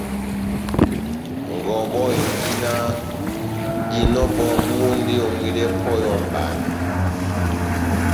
Ngɔbɔ endi náh: Inɔ ebɔbu ndi eyomwidɛ pɔhɛ ó mbana